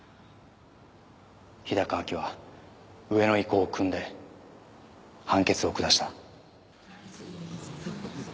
日高亜紀は上の意向をくんで判決を下した